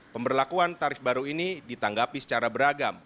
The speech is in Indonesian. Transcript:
pemberlakuan tarif baru ini ditanggapi secara beragam